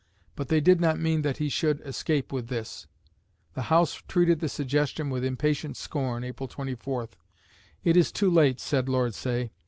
But they did not mean that he should escape with this. The House treated the suggestion with impatient scorn (April 24). "It is too late," said Lord Saye.